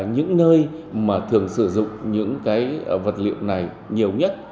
những nơi mà thường sử dụng những cái vật liệu này nhiều nhất